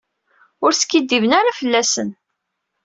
Ur skiddiben ara fell-asen.